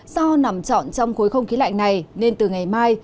do nằm trọn trong khối không khí lạnh này nên từ ngày mai